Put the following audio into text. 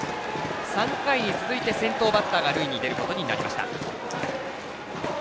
３回に続いて先頭バッターが塁に出ることになりました。